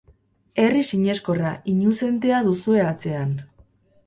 Herri sineskorra, inuzentea duzue atzean.